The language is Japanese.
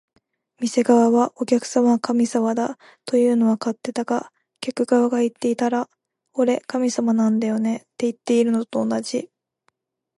店側が「お客様は神様だ」というのは勝手だが、客側が言っていたら「俺、神様なんだよね」っていってるのと同じ